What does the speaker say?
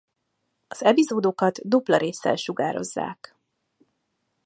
Az epizódokat dupla résszel sugározzák.